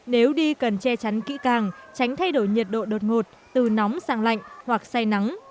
nếu đi cần che chắn kỹ càng tránh thay đổi nhiệt độ đột ngột từ nóng sang lạnh hoặc say nắng